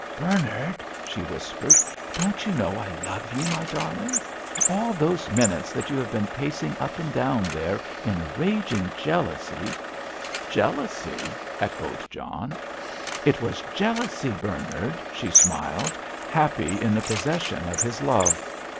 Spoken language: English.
"Bernard," she whispered, "don't you know I love you, my darling? All those minutes that you have been pacing up and down there in raging jealousy——" "Jealousy!" echoed John. "It was jealousy, Bernard," she smiled, happy in the possession of his love.